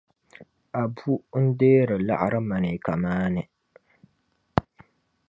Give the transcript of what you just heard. Abu n deeri laɣiri maneeka maa ni.